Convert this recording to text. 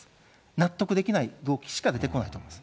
納得できない動機しか出てこないと思います。